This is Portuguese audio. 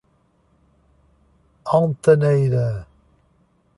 Altaneira